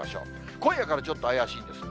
今夜からちょっと怪しいんです。